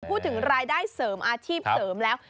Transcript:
พูดถึงรายได้เสริมอาชีพเสริมแล้ว